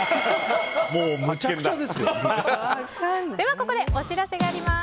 ここでお知らせがあります。